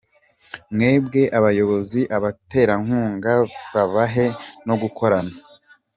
Mwebwe abayobozi abaterankunga babahe no gukorana?